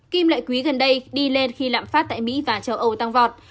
kim loại quý gần đây đi lên khi lạm phát tại mỹ và châu âu tăng vọt